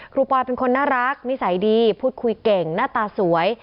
ปอยเป็นคนน่ารักนิสัยดีพูดคุยเก่งหน้าตาสวย